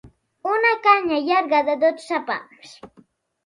Una canya llarga de dotze pams.